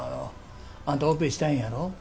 あんたオペしたいんやろ？